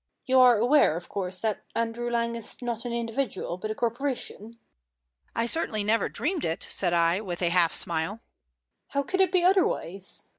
"You are aware, of course, that Andrew Lang is not an individual, but a corporation?" "I certainly never dreamed it," said I, with a half smile. "How could it be otherwise?"